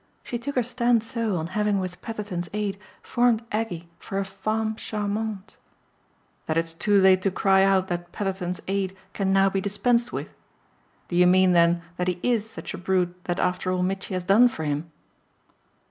She took her stand so on having with Petherton's aid formed Aggie for a femme charmante " "That it's too late to cry out that Petherton's aid can now be dispensed with? Do you mean then that he IS such a brute that after all Mitchy has done for him